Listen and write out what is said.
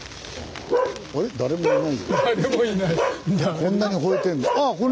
こんなに吠えてるのに。